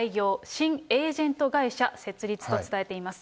新エージェント会社設立と伝えています。